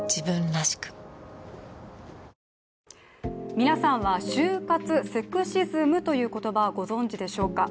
皆さんは就活セクシズムという言葉をご存じでしょうか。